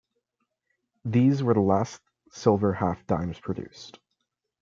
These were the last silver half dimes produced.